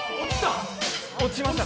落ちた？